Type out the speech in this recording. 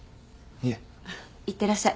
いってらっしゃい。